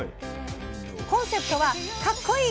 コンセプトは「カッコいい！